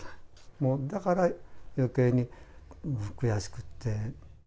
もうだから、余計に悔しくって。